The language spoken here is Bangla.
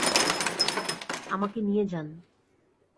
আমাকে নিয়ে যান।